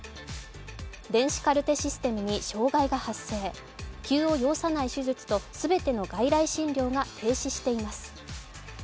電子カルテシステムに障害が発生、急を要さない手術と全ての外来診療が停止しています。